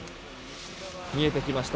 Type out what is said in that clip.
見えてきました。